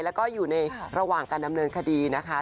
แล้วก็อยู่ในระหว่างการดำเนินคดีนะคะ